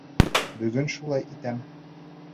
Бөгөн шулай итәм.